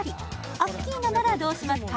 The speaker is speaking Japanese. アッキーナならどうしますか？